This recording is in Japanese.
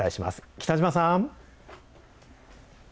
北嶋さん。